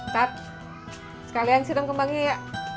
kak sekalian siram kembangnya ya